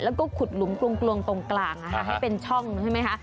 แล้วก็ขุดหลุมกลวงตรงกลางให้เป็นช่องใช่ไหมคะ